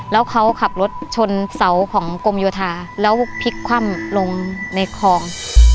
แล้วเขาขับรถชนเสาของกรมโยธาแล้วพลิกคว่ำลงในคลอง